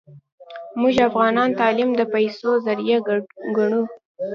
موږ افغانان تعلیم د پیسو ذریعه ګڼو